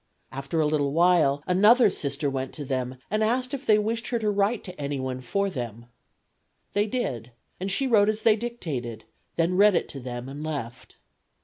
After a little while another Sister went to them and asked if they wished her to write to anyone for them. They did, and she wrote as they dictated, then read it to them and left.